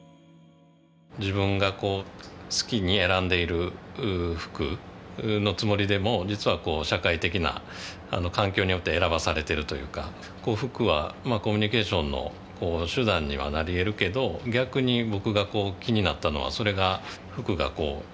自分がこう好きに選んでいる服のつもりでも実は社会的な環境によって選ばされてるというか服はコミュニケーションの手段にはなりえるけど逆に僕が気になったのはそれが服がこう